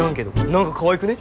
何かかわいくね？